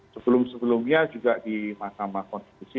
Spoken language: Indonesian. sebelum sebelumnya juga di mahkamah konstitusi